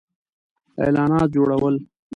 -اعلانات جوړو ل